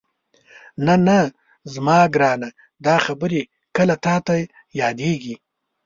نه نه زما ګرانه دا خبرې کله تاته یادېږي؟